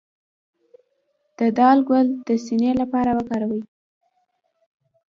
د دال ګل د سینې لپاره وکاروئ